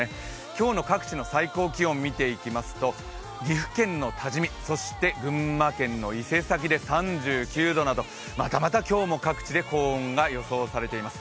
今日の各地の最高気温を見ていきますと、岐阜県の多治見、そして群馬県の伊勢崎で３９度など、またまた今日も各地で高温が予想されています。